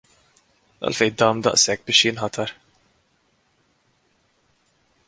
Għalfejn dam daqshekk biex inħatar?